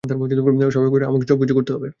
স্বাভাবিকভাবেই আমাকে সবকিছু করতে হবে।